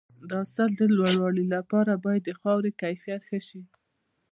د حاصل د لوړوالي لپاره باید د خاورې کیفیت ښه شي.